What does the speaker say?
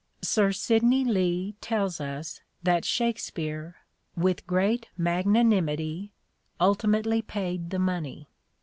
Sir Sidney Lee tells us that Shakspere " with great magnanimity, ultimately paid " the money.